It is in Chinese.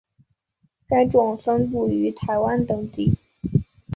该种分布于台湾等地。